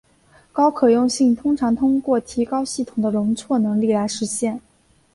高可用性通常通过提高系统的容错能力来实现。